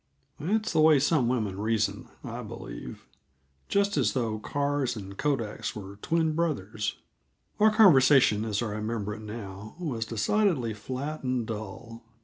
That's the way some women reason, I believe just as though cars and kodaks are twin brothers. Our conversation, as I remember it now, was decidedly flat and dull.